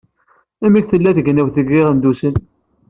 Amek tella tegnewt deg Iɣendusen?